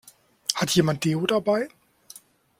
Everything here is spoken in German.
Hat jemand Deo dabei?